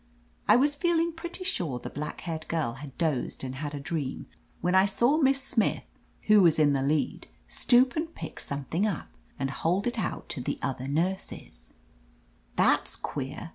I was feeling pretty sure the black haired girl had dozed and had a dream, when I saw Miss Smith, who was in the lead, stoop and pick something up, and hold it out to the other nurses, " That's queer